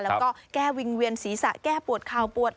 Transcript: แล้วก็แก้วิงเวียนศีรษะแก้ปวดเข่าปวด